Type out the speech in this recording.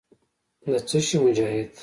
د څه شي مجاهد.